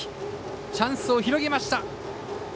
チャンスを広げました。